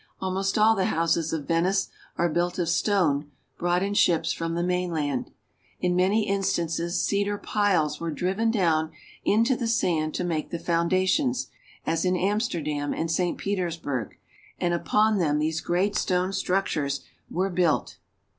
Almost all the houses of Venice are built of stone brought in ships from the mainland. In many instances cedar piles were driven down into the sand to make the foundations, as in Amsterdam and St. Peters burg, and upon them these great stone structures were Venice. 397 built.